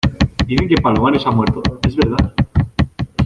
dicen que Palomares ha muerto. ¿ es verdad?